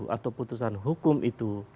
atau putusan hukum itu